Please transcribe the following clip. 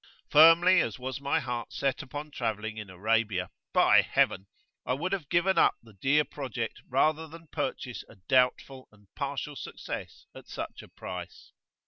Firmly as was my heart set upon travelling in Arabia, by Heaven! I would have given up the dear project rather than purchase a doubtful and partial success at such a price.